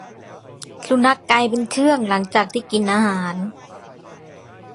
สุนัขกลายเป็นเชื่องหลังจากที่กินอาหาร